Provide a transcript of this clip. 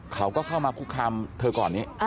เขาก็เข้ามาคุกคามเธอก่อนนี้